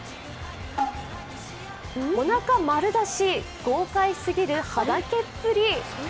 おなか丸出し、豪快すぎるはだけっぷり。